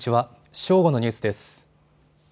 正午のニュースです。